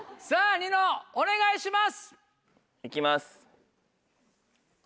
ニノお願いします！